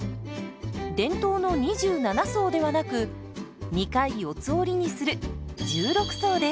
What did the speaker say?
伝統の２７層ではなく２回四つ折りにする１６層です。